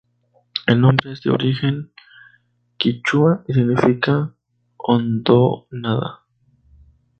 El nombre es de origen quichua, y significa "hondonada".